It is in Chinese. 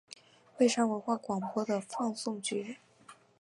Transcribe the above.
蔚山文化广播的放送局。